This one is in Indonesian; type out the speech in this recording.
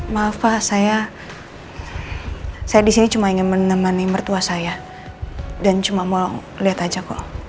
maaf pak saya saya disini cuma ingin menemani mertua saya dan cuma mau lihat aja kok